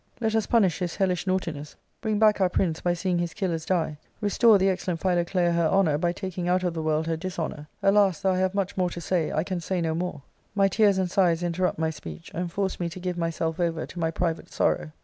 Let us punish his hellish naughtiness, bring back our prince by seeing his killers die, restore the excellent Philoclea her honour by taking out of the world her dishonour. Alas ! though I have much more to say, I can say no more ; my tears and sighs interrupt my speech, and force me to give myself over to my private sorrow."